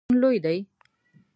کتابتون لوی دی؟